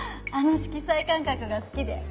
あの色彩感覚が好きで。